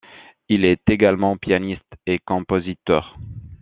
Il est également pianiste et compositeur.